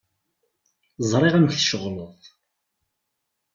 Ẓriɣ amek tceɣleḍ.